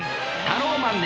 タローマン！